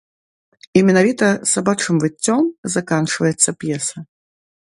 І менавіта сабачым выццём заканчваецца п'еса.